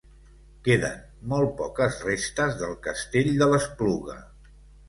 Queden molt poques restes del castell de l'Espluga.